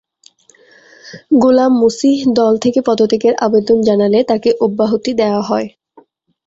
গোলাম মসিহ দল থেকে পদত্যাগের আবেদন জানালে তাঁকে অব্যাহতি দেওয়া হয়।